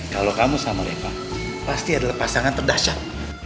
kalau kamu sama leva pasti adalah pasangan terdahsyat